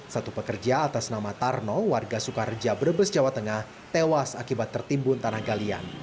satu pekerja atas nama tarno warga sukareja brebes jawa tengah tewas akibat tertimbun tanah galian